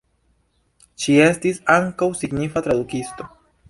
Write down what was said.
Ŝi estis ankaŭ signifa tradukisto.